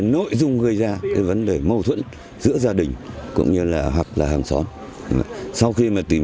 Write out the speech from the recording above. vấn đề không gây ra cái vấn đề mâu thuẫn giữa gia đình cũng như là hoặc là hàng xóm sau khi mà tìm